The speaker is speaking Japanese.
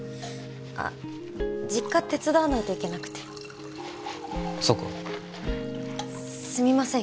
あっ実家手伝わないといけなくてそうかすみません